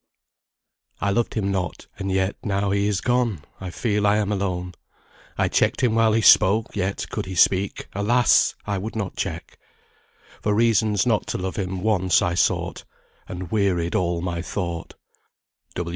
"I lov'd him not; and yet, now he is gone, I feel I am alone. I check'd him while he spoke; yet, could he speak, Alas! I would not check. For reasons not to love him once I sought, And wearied all my thought."